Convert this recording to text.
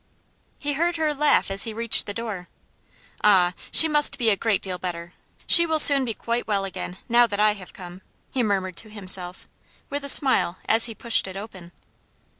He heard her laugh as he reached the door. "Ah! she must be a great deal better; she will soon be quite well again, now that I have come," he murmured to himself, with a smile, as he pushed it open.